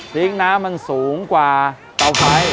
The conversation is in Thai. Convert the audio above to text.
ริ้งน้ำมันสูงกว่าเตาไฟ